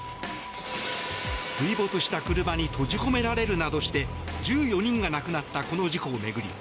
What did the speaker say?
水没した車に閉じ込められるなどして１４人が亡くなったこの事故を巡り